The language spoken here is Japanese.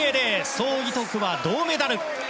ソ・イトクは銅メダル。